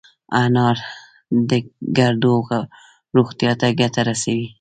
انار د ګردو روغتیا ته ګټه رسوي.